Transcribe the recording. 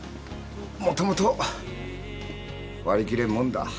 もともと割り切れんもんだ。